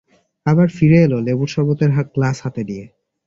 আবার ফিরে এল লেবুর সরবতের গ্লাস হাতে নিয়ে।